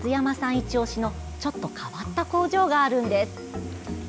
いちオシのちょっと変わった工場があるんです。